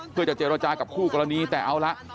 เพื่อจะเจรจากับคู่กรณีแต่เอาละ